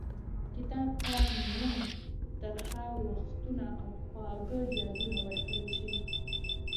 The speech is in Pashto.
کتاب ته نوم ترخه وختونه او خواږه یادونه ورکړل شوی.